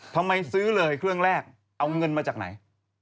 ทำไมซื้อเลยเครื่องแรกเอาเงินมาจากไหน